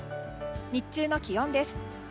日中の気温です。